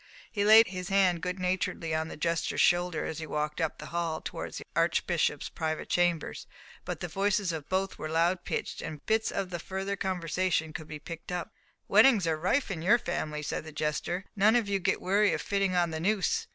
He laid his hand good naturedly on the jester's shoulder as he walked up the hall towards the Archbishop's private apartments, but the voices of both were loud pitched, and bits of the further conversation could be picked up. "Weddings are rife in your family," said the jester, "none of you get weary of fitting on the noose.